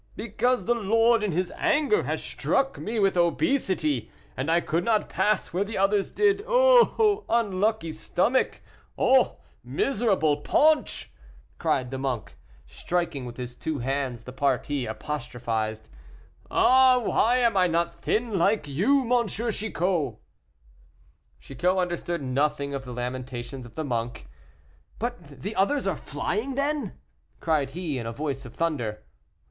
"Because the Lord in His anger has struck me with obesity, and I could not pass where the others did. Oh! unlucky stomach! Oh! miserable paunch!" cried the monk, striking with his two hands the part he apostrophized. "Ah! why am not I thin like you, M. Chicot?" Chicot understood nothing of the lamentations of the monk. "But the others are flying, then?" cried he, in a voice of thunder.